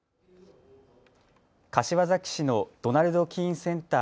柏崎市のドナルド・キーン・センター